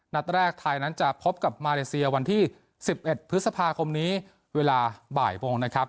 นัดแรกไทยนั้นจะพบกับมาเลเซียวันที่๑๑พฤษภาคมนี้เวลาบ่ายโมงนะครับ